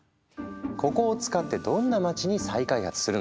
ここを使ってどんな街に再開発するのか。